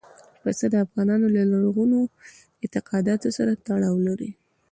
پسه د افغانانو له لرغونو اعتقاداتو سره تړاو لري.